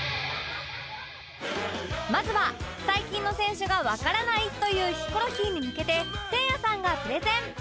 まずは最近の選手がわからないというヒコロヒーに向けてせいやさんがプレゼン